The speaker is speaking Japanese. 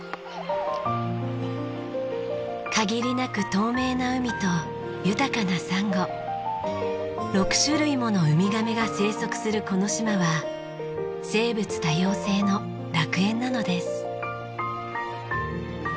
限りなく透明な海と豊かなサンゴ６種類ものウミガメが生息するこの島は生物多様性の楽園なのです。